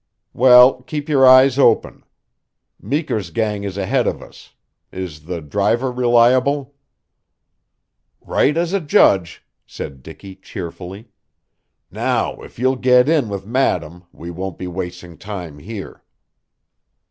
"Well, keep your eyes open. Meeker's gang is ahead of us. Is the driver reliable?" "Right as a judge," said Dicky cheerfully, "Now, if you'll get in with madam we won't be wasting time here."